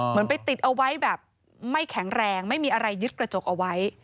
ไปติดเอาไว้แบบไม่แข็งแรงไม่มีอะไรยึดกระจกเอาไว้